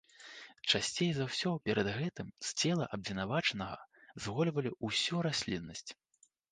Часцей за ўсё перад гэтым з цела абвінавачанага згольвалі ўсю расліннасць.